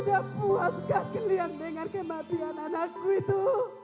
tidak puaskah kalian dengan kematian anakku itu